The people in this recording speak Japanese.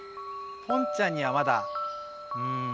ポンちゃんにはまだうん。